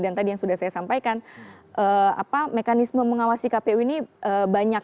dan tadi yang sudah saya sampaikan apa mekanisme mengawasi kpu ini banyak